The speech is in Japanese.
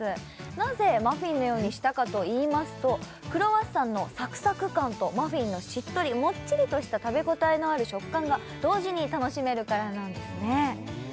なぜマフィンのようにしたかといいますとクロワッサンのサクサク感とマフィンのしっとりもっちりとした食べごたえのある食感が同時に楽しめるからなんですね